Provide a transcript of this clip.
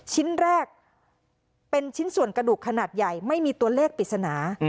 ชิ้นแรกเป็นชิ้นส่วนกระดูกขนาดใหญ่ไม่มีตัวเลขปริศนา